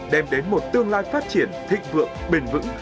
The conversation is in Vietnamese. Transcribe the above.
đem đến một tương lai phát triển thịnh vượng bền vững